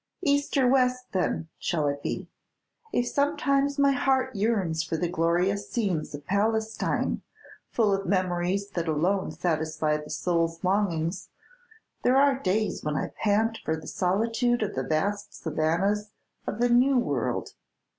"East or west, then, which shall it be? If sometimes my heart yearns for the glorious scenes of Palestine, full of memories that alone satisfy the soul's longings, there are days when I pant for the solitude of the vast savannas of the New World.